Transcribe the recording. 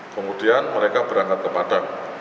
kemudian mereka berangkat ke padang